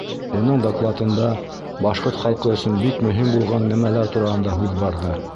Уның докладында башҡорт халҡы өсөн бик мөһим булған нәмәләр тураһында һүҙ барҙы.